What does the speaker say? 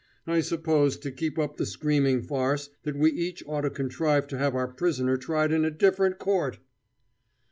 I suppose, to keep up the screaming farce, that we each ought to contrive to have our prisoner tried in a different court!"